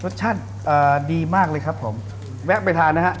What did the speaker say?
เอ่อดีมากเลยครับผมแวะไปทานนะฮะ